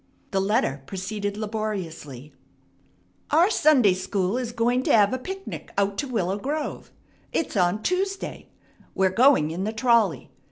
The letter proceeded laboriously: "Our Sunday school is going to have a picnic out to Willow Grove. It's on Tuesday. We're going in the trolley.